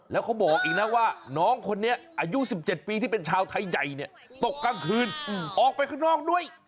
แล้วเขาบอกอีกนะว่าน้องคนนี้อายุ๑๗ปีที่เป็นชาวไทยใหญ่เนี่ยตกกลางคืนออกไปข้างนอกด้วย